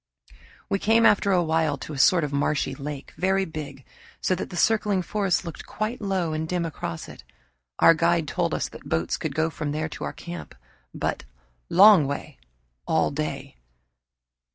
We came after a while to a sort of marshy lake, very big, so that the circling forest looked quite low and dim across it. Our guide told us that boats could go from there to our camp but "long way all day."